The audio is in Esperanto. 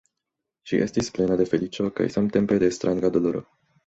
Ŝi estis plena de feliĉo kaj samtempe de stranga doloro.